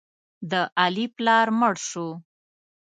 د علي پلار مړ شو.